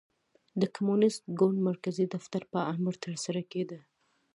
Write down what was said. د کمونېست ګوند مرکزي دفتر په امر ترسره کېده.